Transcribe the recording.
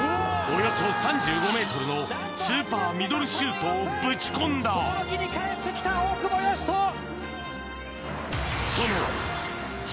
およそ３５ｍのスーパーミドルシュートをぶち込んだ帰って来た大久保嘉人！